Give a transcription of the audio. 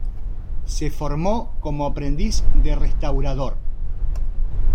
Se formó como aprendiz de restaurador.